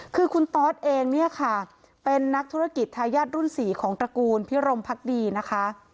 คือคุณตอสเองเนี่ยค่ะเป็นนักธุรกิจทายาทรุ่น๔ของตระกูลพิรมพักดีนะคะ